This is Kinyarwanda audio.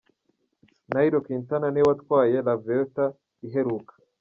Nairo Quintana niwe watwaye La Vuelta iheruka.